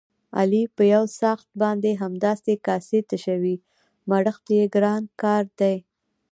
علي په یوڅآښت باندې همداسې کاسې تشوي، مړښت یې ګران کار دی.